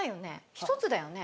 １つだよね？